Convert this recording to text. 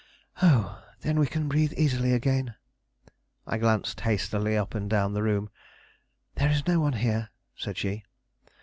"Oh! then we can breathe easily again." I glanced hastily up and down the room. "There is no one here," said she.